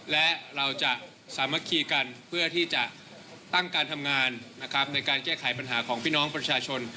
และเราจะสามัคคีกันเพื่อที่จะตั้งการทำงานนะครับในการแก้ไขปัญหาของพี่น้องประชาชน